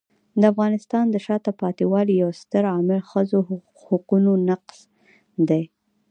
د افغانستان د شاته پاتې والي یو ستر عامل ښځو حقونو نقض دی.